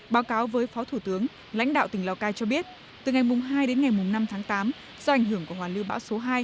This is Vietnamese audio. báo cáo với phó thủ tướng lãnh đạo tỉnh lào cai cho biết từ ngày hai đến ngày năm tháng tám do ảnh hưởng của hoàn lưu bão số hai